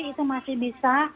itu masih bisa